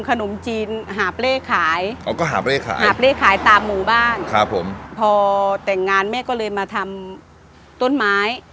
อ๋อก็หาบเลขายตามหมู่บ้างพอแต่งงานแม่ก็เลยมาทำต้นไม้